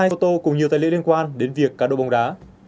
hai ô tô cùng nhiều tài liệu liên quan đến việc cá độ bóng đá